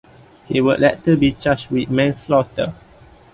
He would later be charged with manslaughter.